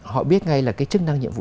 họ biết ngay là cái chức năng nhiệm vụ